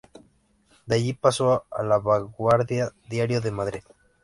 De allí pasó a "La Vanguardia", diario de Madrid.